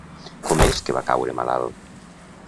Com és que va caure malalt?